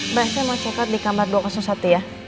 mbak saya mau check up di kamar dua ratus satu ya